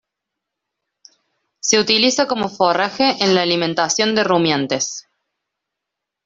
Se utiliza como forraje en la alimentación de rumiantes.